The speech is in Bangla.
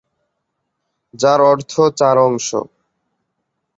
যার অর্থ চার অংশ।